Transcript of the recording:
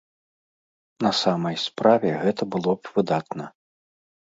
На самай справе, гэта было б выдатна.